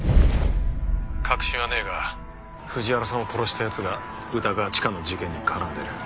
確信はねえが藤原さんを殺した奴が歌川チカの事件に絡んでる。